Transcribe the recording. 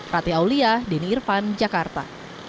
rati aulia denny irvan jakarta